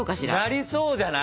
なりそうじゃない？